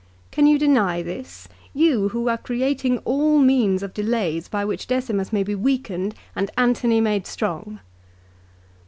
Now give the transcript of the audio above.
Can you deny this, you who are creating all means of delays by which Decimus may be weakened and Antony made strong